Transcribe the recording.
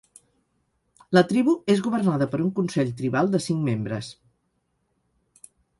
La tribu és governada per un consell tribal de cinc membres.